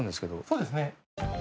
そうですね。